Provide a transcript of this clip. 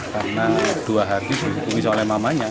karena dua hari dihukum oleh mamanya